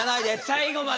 最後まで。